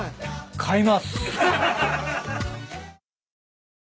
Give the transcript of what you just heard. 買います。